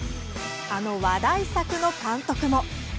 あの話題作の監督も。